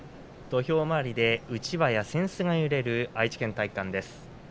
土俵周りでうちわや扇子が揺れる愛知県体育館です。